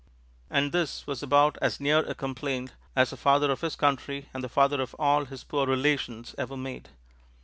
And this was about as near a complaint as the Father of his Country, and the father of all his poor relations, ever made.